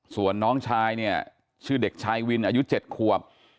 ส่วนน้องชายเนี่ยชื่อเด็กชายวินอายุ๗ขวบ